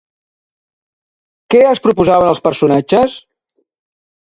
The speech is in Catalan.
Què es proposaven els personatges?